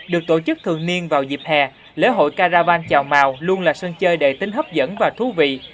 được tổ chức thường niên vào dịp hè lễ hội caravan chào màu luôn là sân chơi đầy tính hấp dẫn và thú vị